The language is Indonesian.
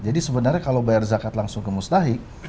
jadi sebenarnya kalau bayar zakat langsung ke mustahik